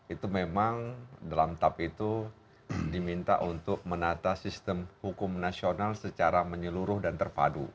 itu memang dalam tap itu diminta untuk menata sistem hukum nasional secara menyeluruh dan terpadu